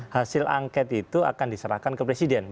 hasil angket itu akan diserahkan ke presiden bukan kpk